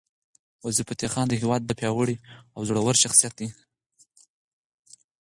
وزیرفتح خان د هیواد پیاوړی او زړور شخصیت دی.